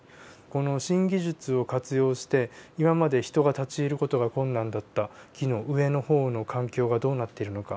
この新技術を活用して今まで人が立ち入る事が困難だった木の上の方の環境がどうなっているのか